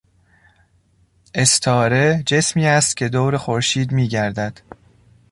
استاره جسمی است که دور خورشید میگردد.